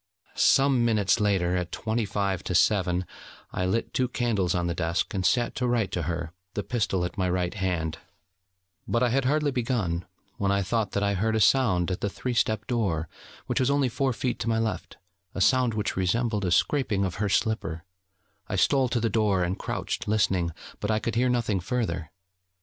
Some minutes later, at twenty five to seven, I lit two candles on the desk, and sat to write to her, the pistol at my right hand; but I had hardly begun, when I thought that I heard a sound at the three step door, which was only four feet to my left: a sound which resembled a scraping of her slipper; I stole to the door, and crouched, listening: but I could hear nothing further.